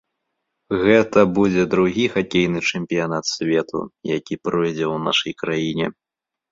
Гэта будзе другі хакейны чэмпіянат свету, які пройдзе ў нашай краіне.